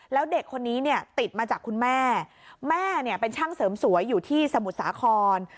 แล้วเด็กคนนี้เนี่ยติดมาจากคุณแม่แม่เนี่ยเป็นช่างเสริมสวยอยู่ที่สมุทรสาคร